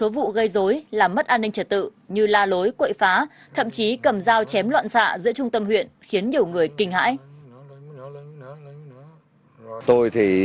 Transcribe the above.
vụ gây dối làm mất an ninh trật tự như la lối quậy phá thậm chí cầm dao chém loạn xạ giữa trung tâm huyện khiến nhiều người kinh hãi